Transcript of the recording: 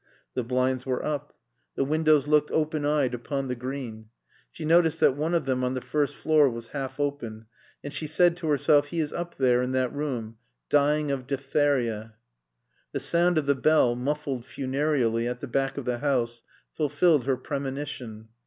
The blinds were up. The windows looked open eyed upon the Green. She noticed that one of them on the first floor was half open, and she said to herself, "He is up there, in that room, dying of diphtheria." The sound of the bell, muffled funereally, at the back of the house, fulfilled her premonition.